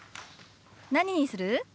何にする？